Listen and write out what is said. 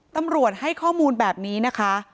ตำรวจให้ข้อมูลแบบนี้นะคะ